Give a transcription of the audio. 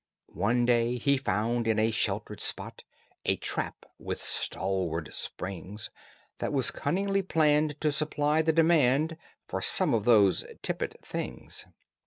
One day he found in a sheltered spot A trap with stalwart springs That was cunningly planned to supply the demand For some of those tippet things.